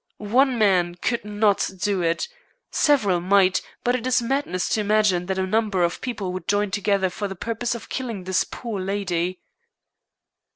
One man could not do it. Several might, but it is madness to imagine that a number of people would join together for the purpose of killing this poor lady."